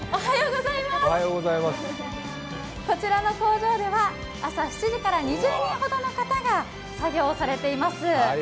こちらの工場では朝７時から２０人ほどの方が作業をされています。